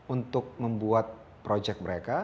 untuk membuat project mereka